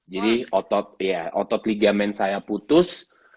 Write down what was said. jadi otot ligamen saya putus